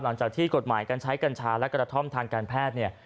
หลังจากที่กฎหมายการใช้กัญชาและกระท่อมทางการแพทย์เนี่ย